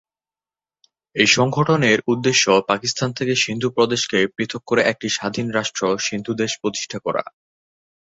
এই সংগঠনের উদ্দেশ্য পাকিস্তান থেকে সিন্ধু প্রদেশকে পৃথক করে একটি স্বাধীন রাষ্ট্র সিন্ধু দেশ প্রতিষ্ঠা করা।